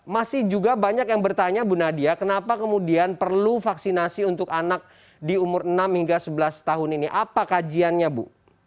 masih juga banyak yang bertanya bu nadia kenapa kemudian perlu vaksinasi untuk anak di umur enam hingga sebelas tahun ini apa kajiannya bu